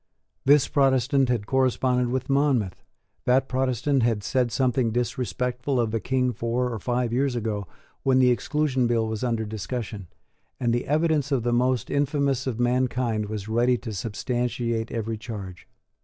This Protestant had corresponded with Monmouth: that Protestant had said something disrespectful of the King four or five years ago, when the Exclusion Bill was under discussion; and the evidence of the most infamous of mankind was ready to substantiate every charge.